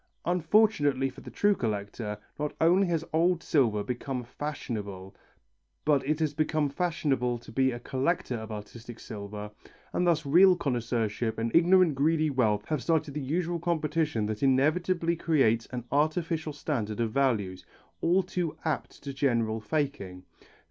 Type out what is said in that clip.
Unfortunately for the true collector, not only has old silver become fashionable, but it has become fashionable to be a collector of artistic silver, and thus real connoisseurship and ignorant greedy wealth have started the usual competition that inevitably creates an artificial standard of values, all too apt to generate faking.